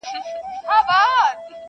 نه له خلوته څخه شېخ، نه له مغانه خیام!!